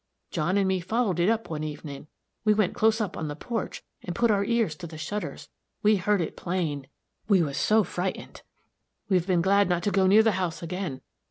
John and me followed it up one evenin'. We went close up on the porch, and put our ears to the shutters. We heard it plain. We was so frightened, we've been glad not to go near the house again.